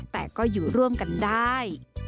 แต่ก็อยู่ร่วมกันได้